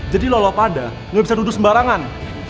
jadi lo lo pada lu bisa nuduh sembarangan